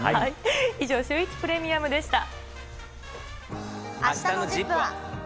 以上、シューイチプレミアムあしたのＺＩＰ！は。